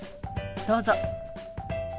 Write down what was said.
どうぞ。